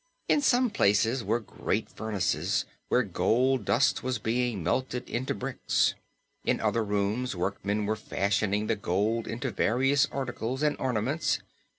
In some places were great furnaces, where gold dust was being melted into bricks. In other rooms workmen were fashioning the gold into various articles and ornaments.